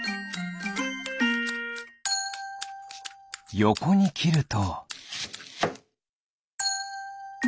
よこにきると。